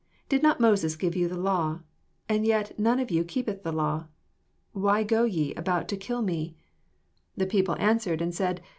19 Did not Moses give you the law, and yet none of you keepeth the law ? Why go ye about to kill me 7 20 The people answered and said.